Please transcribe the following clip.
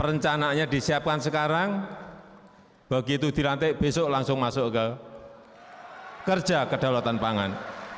rencananya disiapkan sekarang begitu dilantik besok langsung masuk ke kerja kedaulatan pangan